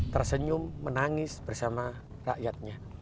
tersenyum menangis bersama rakyatnya